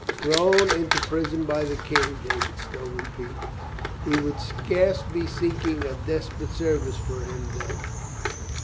"Thrown into prison by the King?" David Stow repeated. "He would scarce be seeking a desperate service for him then.